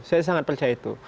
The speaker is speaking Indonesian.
saya sangat percaya itu